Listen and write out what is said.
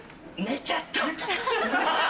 寝ちゃった。